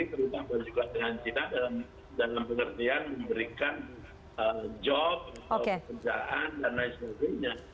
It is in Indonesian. dan juga dengan china dalam pengertian memberikan pekerjaan dan lain sebagainya